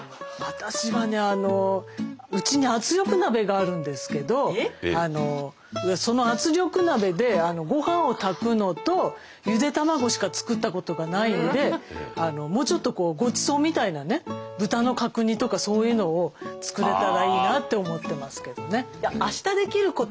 私はねあのうちに圧力鍋があるんですけどその圧力鍋でごはんを炊くのとゆで卵しか作ったことがないのでもうちょっとこうごちそうみたいなねって思ってますけどね。